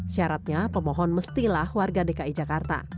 syaratnya pemohon mestilah warga dki jakarta